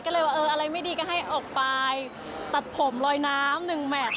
ก็เลยว่าเอออะไรไม่ดีก็ให้ออกไปตัดผมลอยน้ำหนึ่งแมท